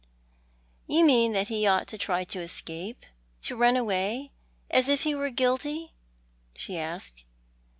" You mean that he ought to try to escape— to run away, as if he were guilty? " she asked.